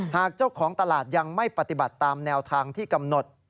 หากเจ้าของตลาดยังไม่ปฏิบัติตามแนวทางที่กำหนด